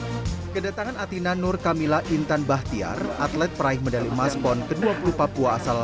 hai kedatangan atina nur kamila intan bahtiar atlet peraih medali emas pon ke dua puluh papua asal